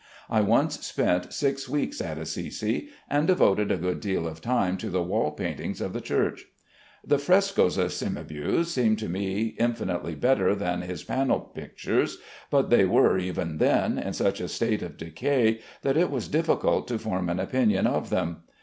I once spent six weeks at Assisi, and devoted a good deal of time to the wall paintings of the church. The frescoes of Cimabue seemed to me infinitely better than his panel pictures, but they were (even then) in such a state of decay that it was difficult to form an opinion of them.